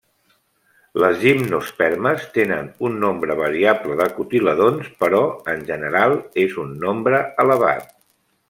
Les gimnospermes tenen un nombre variable de cotiledons però en general és un nombre elevat.